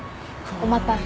お待たせ。